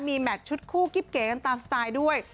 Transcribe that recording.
มีแมทชุดคู่กิ๊บเก๋กันตามสไตล์ด้วย